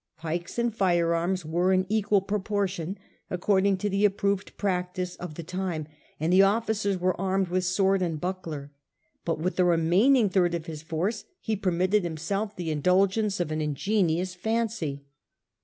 Pikes and firearms were in equal pro portion, according to the approved prabtice of the time, and the officers were armed with sword and buckler; but with the remaining third of his force "he permitted himself the indulgence of an ingenious fancy.